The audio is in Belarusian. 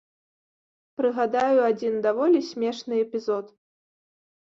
Прыгадаю адзін даволі смешны эпізод.